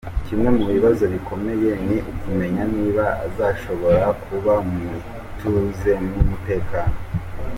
Kimwe mu bibazo bikomeye ni ukumenya niba azashobora kuba mu ituze n’umutekano.